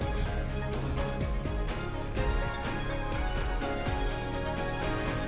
ketika membuang kemejaan bau bau yang diperlui pendebatan berada di antara harga jaringan dan salur utama juga ada yang dua puluh tiga sehr tinggi